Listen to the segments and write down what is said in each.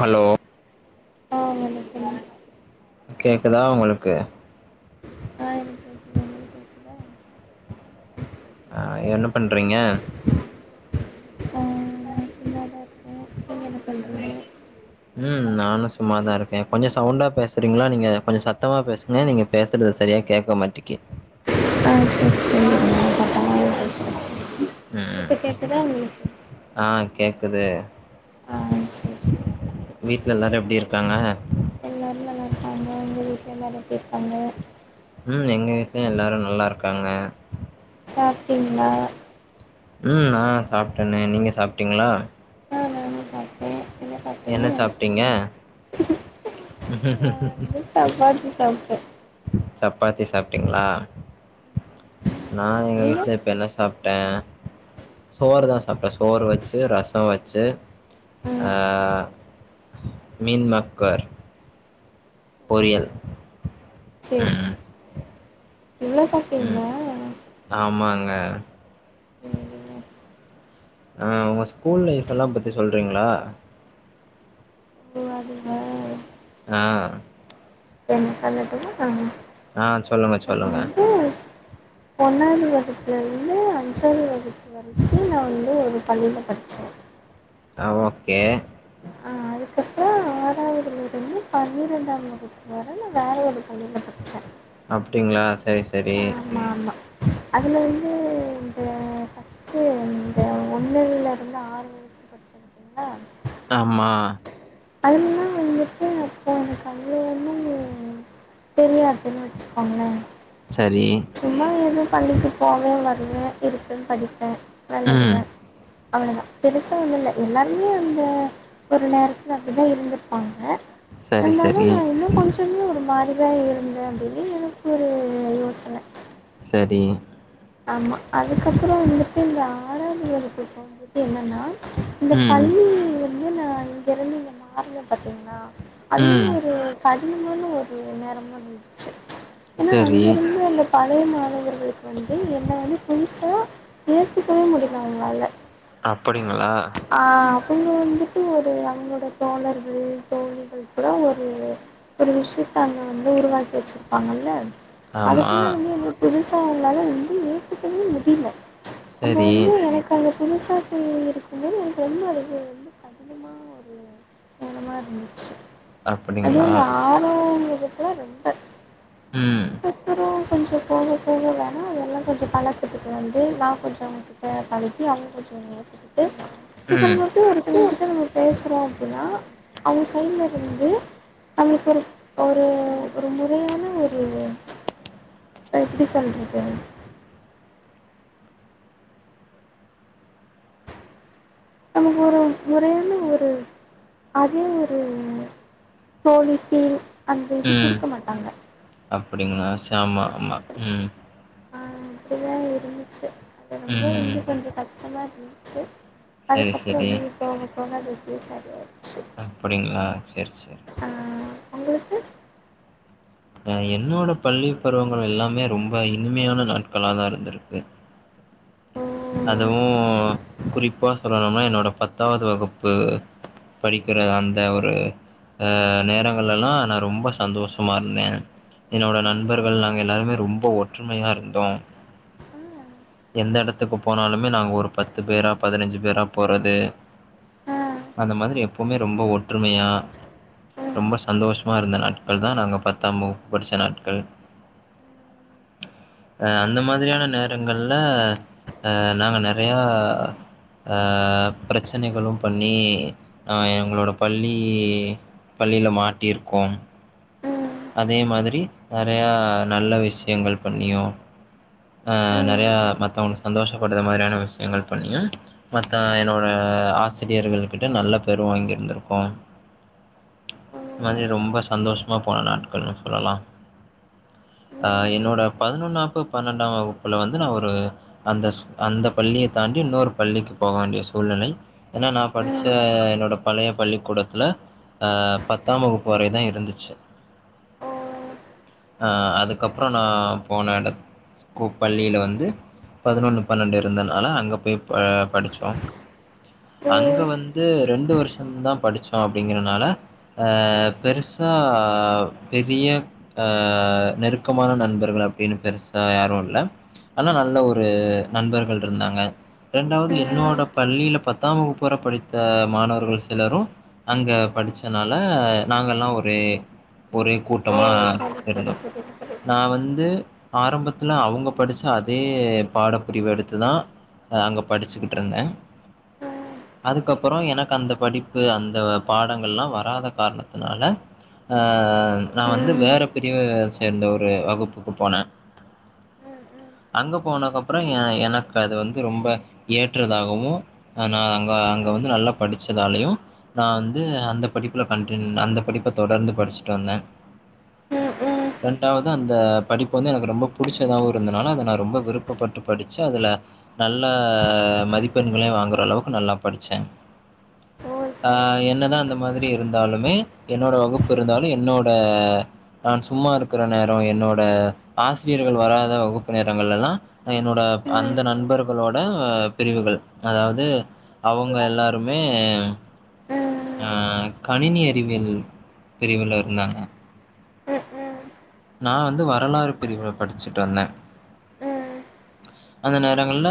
Hello? ஆ வணக்கம். கேக்குதா உங்களுக்கு? ஆ எனக் கேக்குது உங்குளுக் கேக்குதா? அ என்ன பண்றீங்க? ச நா சும்மா தா இருக் கே. நீங்க என்ன ம் பண்றிங்க? ம் நானு சும்மாதா இருக்கே. கொஞ்சோ சவுண்டா பேசுறிங்களா நீங்க கொஞ்சோ சத்தமா பேசுங்க நீங்க பேசறது சரியா கேட்க மாட்டிக்கு. ஆ செரி செரி நா ஆ சத்தமாவே பேசறே. ம் இப்ப ம் கேக்குதா உங்குளுக்கு? ஆ கேக்குது. ஆ சரி வீட்ல எல்லாரு எப்டி இருக்காங்க? எல்லாரு நல்லாருக்காங்க. உங்க வீட்ல எல்லாரு எப்டிர்க்காங்க? ம் எங்க வீட்லியு எல்லாரு நல்லாருக்காங்க. சாப்டிங்ளா? ம் நா சாப்ட்டனே நீங்க சாப்ட்டிங்ளா? ஆ நானு சாப்ட்டே. என்ன என்ன சாப்ட்டீங்க சாப்டீங்க? [unintelligible] சப்பாத்தி சாப்ட்டே. சப்பாத்தி சாப்ட்டிங்ளா. நா எங்க நீங்க வீட்ல இப்ப என்ன ஸ் சாப்ட்டே சோறு தா சாப்ட்டே சோறு வெச்சு ரசோ வெச்சு அ ம் மீன் மேக்கர் ஓ பொரியல். சேரி ம் சே இவ்ளா சா ம் ஆமாங்க. சேரிங்க அ உங்க ஸ்கூல் லைஃப் எல்லாம் பத்தி சொல்றீங்ளா? ஓ அதுவா? அ. செர் நா சொல்லட்டுமா? ஆ சொல்லுங்க சொல்லுங்க. ஒன்னாவ்து வகுப்புல இருந்து அஞ்சாவ்து வகுப்பு வரைக்கு நா வந்து ஒரு பள்ளில படிச்சே. ஆ ஓகே. பத்தாவ்துல இருந்து பன்னிரெண்டாம் வகுப்பு வர நா வேற ஒரு பள்ளில படிச்சே. அப்டிங்களா செரி செரி. மாமா அதுல வந்து இந்த ஃபஸ் ச்சி இந்த ஒன்னுல இருந்து ஆறு வரைக்கு படிச்சிருக்கேன்ல ஆமா அதுலெல்லா வந்துட்டு அப்போ எனக்கு அவ்ளோ ஒன்னு தெரியாதுன் வெச்சிக்கோங்களே சரி சும்மா எதும் பள்ளிக்கு போவே வருவே இருப்பே படிப்பே ம் வெளயாடுவே அவளதா பெருச ஒன்னு இல்ல எல்லாருமே அந்த ஒரு நேரத் துல அப்டிதா இருந்திருப்பாங்க சரி இருந்தாலு சரி நா இன்னு கொஞ் திரும்ப ஒரு மாதிர்தா இருந்தே அப்டினு எனக் ஒரு யோசன செரி ஆமா அதுக்கப்புறோ வந்துட்டு இந்த ஆறாம் வகுப்புக்கு போம்போது என்னன்னா இந்த ம் பள்ளி வந்து நா இங்க இருந்து இங்க மாறுனே பாத்தீங்ளா அது ம் ஒரு கடினமான ஒரு நேரமா இருந்துச்சி ஏன்னா சரி. அங்கருந்து அந்த பழைய மாணவர்களுக் வந் து என்ன வந்து புதுசா ஏத்துக்கவே முடில அவுங்ளால அப்படிங்களா ஆ அவங்க வந்துட்டு ஒரு அவங்களோட தோழர்கள் தோழிகள் கூட ஒரு ஒரு விஷியத்த அங்க வந்து உருவாக்கி வெச்சிருப்பாங்கல்ல ஆமா அதுக்குள்ள வந்து என்ன புதுசா அவுங்ளால வந்து ஏத்துக்கவே முடில அப்போ சரி வந்து எனக் அங்க புதுச பிள்ளைங்க இருக்கும்போது எனக்கு ரொம்ப அது வந்து ரொம்ப கடினமா [unintelligible] ரணமா இருந்துச்சி அது அப்படிங்களா? இந்த ஆறாம் வகுப்புல ரொம்ப ம் அதுக்கப்பறோ கொஞ்சோ போக போக வேணா அதெல்லா கொஞ்சோ பழக்கத்துக்கு வந்து நா கொஞ்சோ அவங்க கிட்ட பழகி அவங் கொஞ்சோ என்ன ஏத்துக்கிட்டு இப்ப ம் நா போய் ஒருத்தங்ககிட்ட நம்ம பேசுறோ அப்டினா அவுங்க சைட்ல இருந்து அவுங்களுக்கொரு ஒரு ஒரு முறையான ஒரு இப்ப எப்படி சொல்றது நமக்கு ஒரு முறையான ஒரு அதே ஒரு தோழி ஃபீல் அந்த இது ம் குடுக்க மாட்டாங்க அப்படிங்களா செ ஆமா ஆமா ம் ஆ அப்படிதா இருந்துச்சு அது ரொம்ப ம் வந்து கொஞ்சு கஷ்டமா இருந்துச்சு சரி அதுக்கப்புறோ சரி. அப்டி போக போக அது அப்டியே சரி ஆயிடுச்சு அப்படிங்களா செரி செரி ஆ உங்களுக்கு அ என்னோட பள்ளி பருவங்கள் எல்லாமே ரொம்ப இனிமையான நாட்களா தா இருந்திருக்கு ஓ அதுவு குறிப்பா சொல்லணும்னா என்னோட பத்தாவது வகுப்பு படிக்கிற அந்த ஒரு அ நேரங்களெல்லா நா ரொம்ப சந்தோஷமா இருந்தே என்னோட ஆ நண்பர்கள் நாங்க எல்லாருமே ரொம்போ ஒற்றுமையா இருந்தோ எந்தெடத் துக்கு போனாலுமே நாங்க ஒரு பத்து பேரா பதினஞ்சு பேரா போறது ஆ ஆ அந்த மாதிரி எப்பவ்மே ரொம்ப ஒற்றுமையா ரொம்ப சந்தோஷ்மா இருந்த நாட்கள் தா நாங்க பத்தாம் வகுப்பு படிச்ச நாட்கள் ம் அ அந்த மாதிரியான நேரங்கள்ல அ நாங்க நெறையா ஆஹ் பிரெச்சனைகளு பண்ணி அஹ் எங்களோட பள்ளி பள்ளில மாட்டிருக்கோம் ம் அதே மாதிரி நெறையா நல்ல விஷயங்கள் பண்ணியு ம் அஹ் ம் நெறைய மத்தவங்களுக்கு சந்தோஷப்படுற மாரியான விஷயங்கள் பண்ணியு மத்த என்னோட ஆசிரியர்கள் கிட்ட நல்ல பேரு வாங்கிருந்திருக்கோம் ஓ இந்த மாதிரி ரொம்ப சந்தோஷமா போன நாட்கள்னு சொல்லலா அ ம் என்னோட பதினொன்னாப்பு பன்னெண்டாம் வகுப்புல வந்து நா ஒரு அந்த ஸ் அந்த பள்ளிய தாண்டி இன்னொரு பள்ளிக்கு போக வேண்டிய சூழ்நிலை ஏனா நா படிச்ச ம் என்னோட பழைய பள்ளிக்கூடத்துல அஹ் பத்தாம் வகுப்பு வரை தா இருந்துச்சு ஓ ஓ அஹ் அதுக்கப்பறோ நா போன எடத் ஸ்கூப் பள்ளில வந்து பதினொன்னு பன்னெண்டு இருந்தனால அங்க போய் ப படிச்சோம் அங்க வந்து ரெண்டு வருஷோ தா படிச்சோ அப்டிங்கிறனால அ பெருசா அஹ் பெரிய அ நெருக்கமான நண்பர்கள் அப்டின்னு பெருசா யாரு இல்ல ஆனா நல்ல ஒரு நண்பர்கள் ருந்தாங்க ரெண்டாவது என்னோட ம் பள்ளில பத்தாம் வகுப்பு வர படித்த மாணவர்கள் சிலரு அங்க படிச்சனால நாங்கல்லா ஒரே ஒரே ஓ கூட்டமா சரி சரி இருந்தோ புரியுது புரியுது நா வந்து ஆரம்பத்துல அவுங்க படிச்ச அதே பாட பிரிவு எடுத்துதா அங்க படிச்சுக்கிட்டு இருந்தே ம் அதுக்கப்பறோ எனக்கு அந்த படிப்பு அந்த பாடங்கள்லா வராத காரணத்தினால ஆ நா வந்து ம் வேற பிரிவ சேர்ந்த ஒரு வகுப்புக்கு போனே ம் அங்க போனக்கு அப்றோ எ எனக்கு அது வந்து ரொம்ப ஏற்றதாகவு ஆ நா அங்க அங்க வந்து நல்லா படிச்சதாலயு நா வந்து அந்த படிப்புல கன்டின் அந்த படிப்ப தொடர்ந்து படிச்ட்டு வந்தே ம் ம் ம் ரெண்டாவது அந்த படிப்பு வந்து எனக்கு ரொம்ப புடிச்சதாவு இருந்தனால அத நா ரொம்ப விருப்பப்பட்டு படிச்சு அதுல நல்ல மதிப்பெண்களையு வாங்ற அளவுக்கு நல்லா படிச்சே ஓ ஆ சரி சரி என்னதா அந்த மாதிரி இருந்தாலுமே என்னோட வகுப்பு இருந்தாலு என்னோட நா சும்மா இருக்குற நேரோ என்னோட ஆசிரியர்கள் வராத வகுப்பு நேரங்கள் எல்லா என்னோட ம் அந்த நண்பர்களோட பிரிவுகள் அதாவுது அவுங்க எல்லாருமே அ ம் கணினி அறிவியல் பிரிவுல இருந்தாங்க அ ஆ நா வந்து வரலாறு பிரிவுல படிச்ட்டுருந்தே ம் அந்த நேரங்கள்ல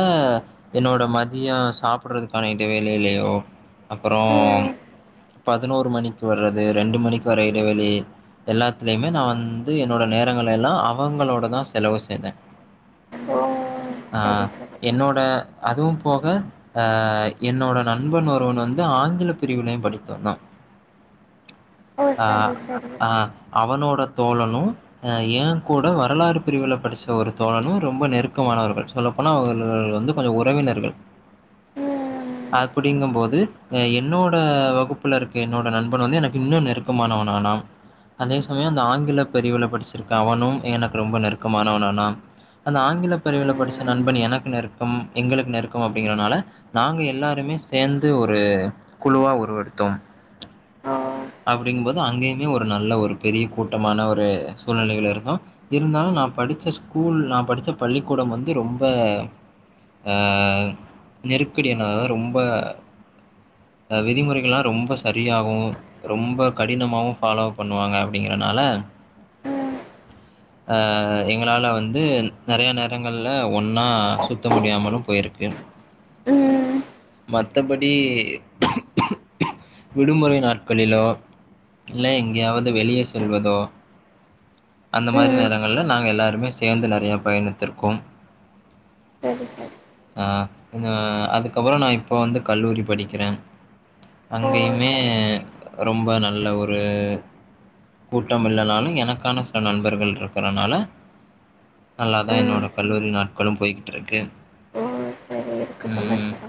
என்னோட மதியோ சாப்டறதுக்கான இடைவேளைளையோ அப்றோ ம் பதினோரு மணிக்கு வர்றது ரெண்டு மணிக்கு வர இடைவெளி எல்லாத்துலயுமே நான் வந் என்னோட நேரங்கள எல்லா அவுங்களோடதா செலவு செய்தே ஓ ஆ சரி சரி என்னோட அதுவும் போக ஆ என்னோட நண்பன் ஒருவன் வந்து ஆங்கில பிரிவுனை படித்து வந்தா [inaudible] ஓ அ சரி சரி அ அவனோடத் தோழனு அ எங்கூட வரலாறு பிரிவுல படிச்ச ஒரு தோழனு ரொம்ப நெருக்கமானவர்கள் சொல்லப் போனா அவர்கள் வந்து கொஞ்ச உறவினர்கள் ம் ம் அப்புடிங்கம்போது அ என்னோட வகுப்புலருக்க என்னோட நண்பன் வந்து எனக்கு இன்னொ நெருக் கமானவனானான் அதே சமயோ அந்த ஆங்கிலப் பிரிவுல படிச்சிருக்க அவனும் எனக்கு ரொம்ப நெருக்கமானவனானான் அந்த ஆங்கில பிரிவில படிச்ச நண்பன் எனக்கு நெருக்கம் எங்களுக்கு நெருக்கம் அப்டிங்கிறனால நாங்க எல்லாருமே சேந்து ஒரு குழுவா உருவெடுத்தோம் அப்டிங்கம்போது அங்கியுமே ஒரு நல்ல ஒருப் பெரிய கூட்டமான ஒரு சூழ்நிலைகள் இருந்தோ இருந்தாலு நாப் படிச்ச ஸ்கூல் நாப் படிச்ச பள்ளிக்கூடம் வந்து ரொம்ப அ நெருக்கடியானதா ரொம்ப அ விதிமுறைகளா ரொம்ப சரியாகு ரொம்ப கடினமாவு ஃபாலோ பண்ணுவாங்க அப்டிங்கிறனால ஆ எங்களால வந்து நெறைய நேர் ரங்கள்ல ஒன்னா சுத்த முடியாமலு போய்ருக்கு ம் ம் மத்தபடி விடுமுறை நாட்களிலோ இல்ல எங்கயாவது வெளிய செல்வதோ அந்த மாரி ம் நேரங்கல்ல நாங்க எல்லாருமே சேந்து நெறையப் பயணித்திருக்கோம் சரி சரி ஆ நா அதுக்கப்றோ நா இப்போ வந்து கல்லூரி படிக்கிறே ஓ அங்கயுமே சரி ரொம்ப நல்ல ஒரு கூட்டமில்லனாலு என் எனக்கான சில நண்பர்கள் இருக்றனால நல்லாதா ம் என்னோட கல்லூரி நாட்களு போய்கிட்ருக்கு ஒ சரி இருக்கட்டும் இருக்கட்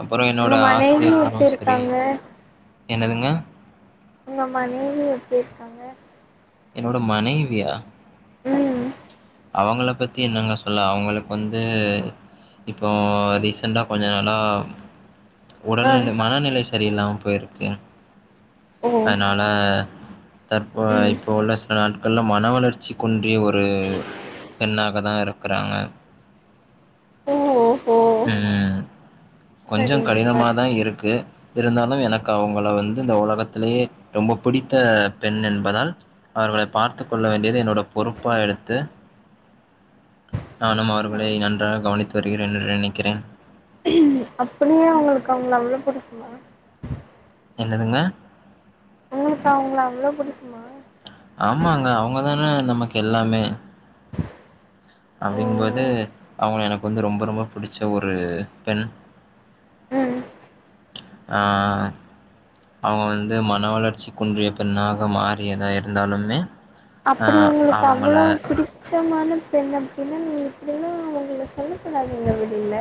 அப்றோ என்னோட மனைவி ஆசிரியர்களு எப்டி சரி இருக்காங்க என்னதுங்க உங்க மனைவி எப்டி இருக்காங்க என்னோட மனைவியா ம் அவங்களப் பத்தி என்னங்க சொல்ல அவங்களுக்கு வந்து இப்போ ரீசண்டா கொஞ்ச நாளா ஆ உடல்நிலை மனநிலைச் சரியில்லாம போயிருக்கு ஓ அதனால ம் தற்போயிப் இப்போ உள்ள சில நாட்கள்ல மன வளர்ச்சிக்குன்றிய ஒரு பெண்ணாகதா இருக்கறாங்க [inaudible] ஓஹோ ம் கொஞ்சோ சரிங்க சரி கடினமாதா இருக்கு இருந்தாலு எனக்கு அவுங்கள வந்து இந்த ஒலகத்திலியே ரொம்ப பிடித்த பெண் என்பதால் அவர்களைப் பார்த்து கொள்ள வேண்டியது என்னோடப் பொறுப்பா எடுத்து நானும் ஆ அவர்களை நன்றாக கவனித்து வருகிறேன் என்று நினைக்கிறேன் ம் அப்படியே அவுங்களுக்கு அவுங்கள அவ்ளோ புடிக்குமா என்னதுங்க உங்குளுக்கு அவுங்கள அவ்ளோ புடிக்குமா ஆமாங்க அவ்ங்கதானே நமக்கு எல்லாமே ஓ அப்டிங்குபோது அவ்ங்க எனக்கு வந்து ரொம்ப ரொம்ப பிடிச்ச ஒரு பெண் உம் ஆ அவ்ங்க வந்து மன வளர்ச்சி குன்றிய பெண்ணாக மாறியதா இருந்தாலுமே அ அப்படி உங்களுக்கு அவங்கள அவ்ளோ பிடிக் மிச்சமான பெண் அப்டின்னு நீங்க இப்டிலா அவங்கள சொல்லக்கூடாது அதுல்ல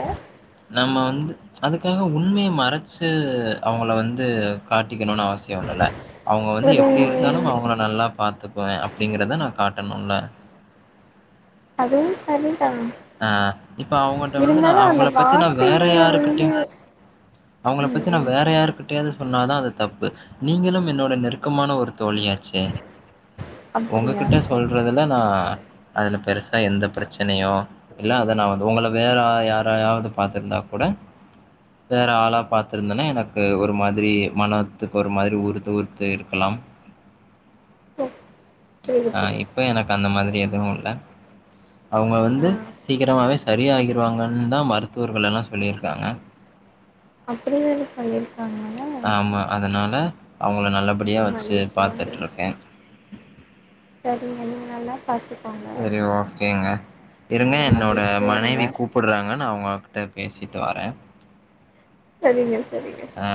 நம்ம வந்து அதுக்காக உண்மைய மறைச்சு அவுங்கள வந்து காட்டிக்கணுன்னு அவசியோ இல்லல்ல அவுங்க வந்து ஒரு எப்டி இருந்தாலு அவுங்கள நல்லா பாத்துக்குவே அப்டிங்கிறத நா காட்டணுல அதுவு சரி தா அ இப்ப அவுங்கட்ட வந்து நா அவுங்கள பத்தி நா வேற வார்த்தைகள வந்து யாருக்கிட்டயு அவுங்கள ம் பத்தி நா ம் வேற யாருக்கிட் டயாது சொன்னா தா அது தப்பு நீங்களும் என்னோட நெருக்கமான ஒரு தோழியாச்சு சே அப்படியா ஒங்ககிட்ட சொல் றதுல நா அதுல பெருசா எந்த பிரச்சனையோ இல்ல அத நா வது உங்கள வேற யாரயாவது பாத்திருந்தா கூட வேற ஆளா பாத்துருந்தேன்னா எனக்கு ஒரு மாரி மனத்துக்கு ஒரு மாரி உறுத்து உறுத்து இருக்கல்லா உம் ஆ இப்ப எனக்கு அந்த மாரி எதுவு இல்ல அவுங்க வந்து ஆ சீக்கிரமாவே சரியாகிரு வாங்கன்னு தா மருத்துவர்கள் எல்லா சொல்லி இருக்காங்க அப்டினு எது சொல்லி இருக்காங்களே ஆமா அதனால அவுங்கள நல்லபடியா வச்சு மகிழ்ச்சி பாத்துட்டு மகிழ்ச்சி இருக்கே சரிங்க நீ நல்லா பாத்துக் செரி ஓகேங்க இருங்க நல்லா என்னோட மகிழ்ச்சியா இருங்க மனைவி கூப் டுறாங்க நா அவங்ககிட்ட பேசிட்டு வரே செரிங்க செரிங்க ஆ